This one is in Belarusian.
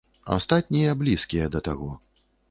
Астатнія блізкія да таго.